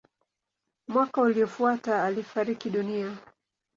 Mwaka uliofuata alifariki dunia.